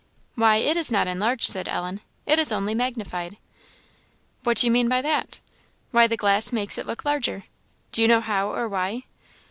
"Why, it is not enlarged," said Ellen "it is only magnified." "What do you mean by that?" "Why, the glass makes it look larger." "Do you know how, or why?"